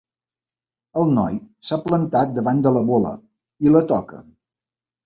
El noi s'ha plantat davant de la bola i la toca.